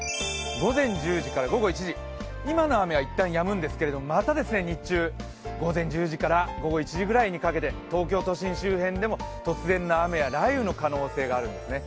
午前１０時から午後１時今の雨はいったんやむんですけれども、また日中、午前１０時から午後１時ぐらいにかけて東京都心周辺でも突然の雨や雷雨の心配があるんですね。